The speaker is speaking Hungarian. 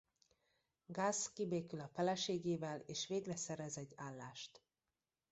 Gus kibékül a feleségével és végre szerez egy állást.